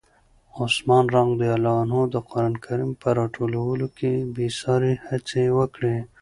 عثمان رض د قرآن کریم په راټولولو کې بې ساري هڅې وکړې.